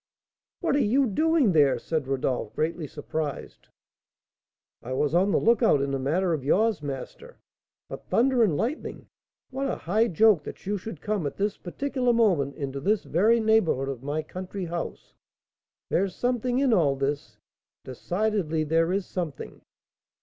"What are you doing there?" said Rodolph, greatly surprised. "I was on the lookout in a matter of yours, master; but, thunder and lightning! what a high joke that you should come at this particular moment into this very neighbourhood of my country house! There's something in all this, decidedly there is something."